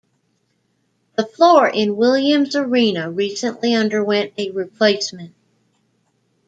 The floor in Williams Arena recently underwent a replacement.